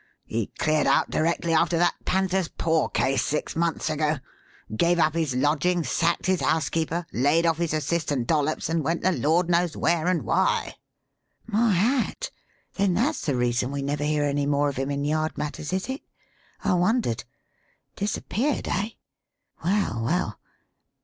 He cleared out directly after that Panther's Paw case six months ago. Gave up his lodgings, sacked his housekeeper, laid off his assistant, Dollops, and went the Lord knows where and why." "My hat! Then that's the reason we never hear any more of him in Yard matters, is it? I wondered! Disappeared, eh? Well, well!